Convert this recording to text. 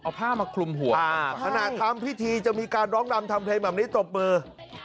เอาผ้ามาคลุมหัวขณะทำพิธีจะมีการร้องรำทำเพลงแบบนี้ตบมือ